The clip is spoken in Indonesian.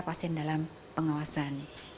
pasien dalam pengawasan